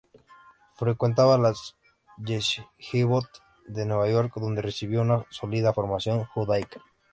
Frecuentaba las "yeshivot" de Nueva York, donde recibió una sólida formación judaica.